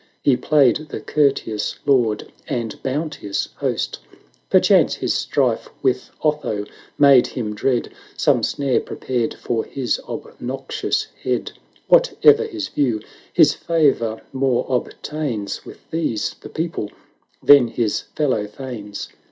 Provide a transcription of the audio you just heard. He played the courteous lord and bounteous host: Perchance his strife with Otho made him dread Some snare prepared for his obnoxious head ; Whate'er his view, his favour more obtains With these, the people, than his fellow thanes.